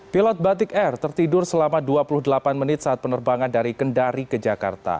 pilot batik air tertidur selama dua puluh delapan menit saat penerbangan dari kendari ke jakarta